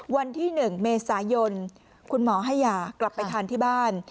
วันที่๑เมษายนคุณหมอให้ยากลับไปทานที่บ้าน